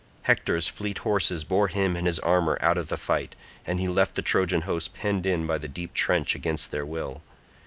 Hector's fleet horses bore him and his armour out of the fight, and he left the Trojan host penned in by the deep trench against their will.